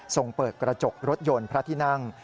ส่งเปิดกระจกรถยนต์พระที่นั่ง